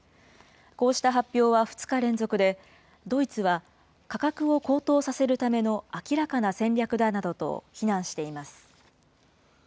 こうした発表は２日連続で、ドイツは、価格を高騰させるための明らかな戦略だなどと非難しています。